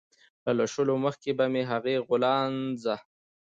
له لوشلو مخکې به مې د هغې غولانځه